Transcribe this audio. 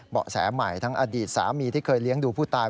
แสใหม่ทั้งอดีตสามีที่เคยเลี้ยงดูผู้ตาย